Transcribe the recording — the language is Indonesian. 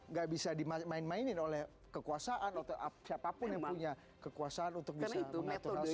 nggak bisa dimain mainin oleh kekuasaan atau siapapun yang punya kekuasaan untuk bisa mengatur hal ini